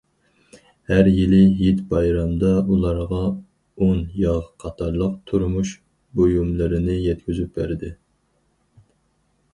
ھەر يىلى ھېيت- بايرامدا ئۇلارغا ئۇن، ياغ قاتارلىق تۇرمۇش بۇيۇملىرىنى يەتكۈزۈپ بەردى.